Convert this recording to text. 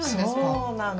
そうなの！